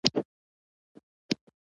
خدمت او مرستو ته اړتیا پیدا کړی.